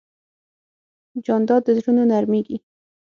جانداد د زړونو نرمیږي.